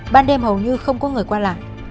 ban đêm hầu như không có người qua lại